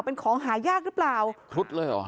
เป็นของหายากหรือเปล่าครุฑเลยเหรอ